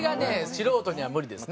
素人には無理ですね。